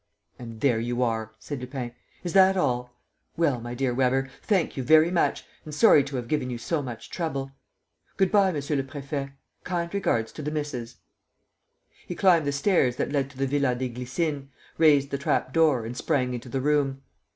"And there you are!" said Lupin. "Is that all? Well, my dear Weber, thank you very much and sorry to have given you so much trouble. Good bye, Monsieur le Préfet; kind regards to the missus!" He climbed the stairs that led to the Villa des Glycines, raised the trap door and sprang into the room.